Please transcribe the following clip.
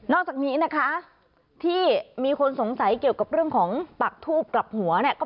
อกจากนี้นะคะที่มีคนสงสัยเกี่ยวกับเรื่องของปักทูบกลับหัวเนี่ย